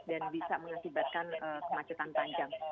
bisa mengakibatkan kemacetan panjang